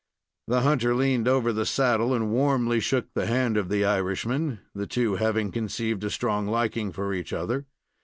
The hunter leaned over the saddle, and warmly shook the hand of the Irishman, the two having conceived a strong liking for each other.